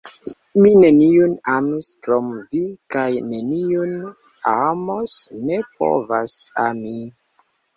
Mi neniun amis krom vi kaj neniun amos, ne povas ami!